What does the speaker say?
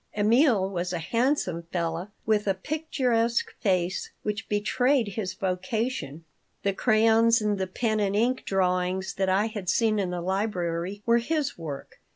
Emil was a handsome fellow with a picturesque face which betrayed his vocation. The crayons and the pen and ink drawings that I had seen in the library were his work.